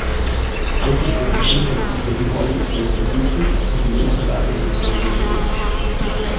Auch ist das Gesundheitssystem häufig schlecht entwickelt und die Lebenserwartung entsprechend gering.